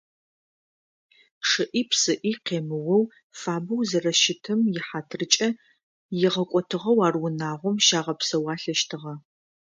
Чъыӏи-псыӏи къемыоу, фабэу зэрэщытым ихьатыркӏэ игъэкӏотыгъэу ар унагъом щагъэпсэуалъэщтыгъэ.